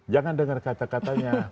jangan dengar kata katanya